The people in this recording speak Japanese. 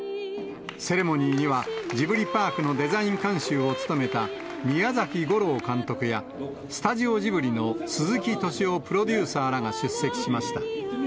セレモニーには、ジブリパークのデザイン監修を務めた宮崎吾朗監督や、スタジオジブリの鈴木敏夫プロデューサーらが出席しました。